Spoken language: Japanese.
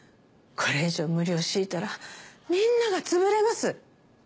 これ以上無理を強いたらみんなが潰れます。